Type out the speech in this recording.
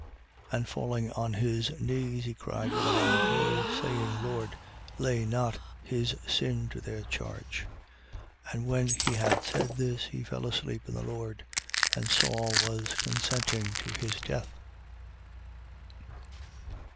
7:59. And falling on his knees, he cried with a loud voice, saying: Lord, lay not his sin to their charge: And when he had said this, he fell asleep in the Lord. And Saul was consenting to his death.